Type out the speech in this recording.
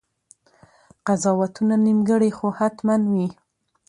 قضاوتونه نیمګړي خو حتماً وي.